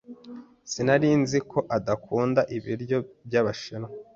Sinari nzi ko udakunda ibiryo byabashinwa.